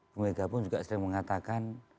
bu mega pun juga sering mengatakan